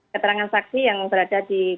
keterangan saksi yang berada di